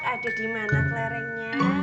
ada dimana kelerengnya